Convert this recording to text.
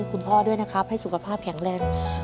คุณพ่อด้วยนะครับให้สุขภาพแข็งแรง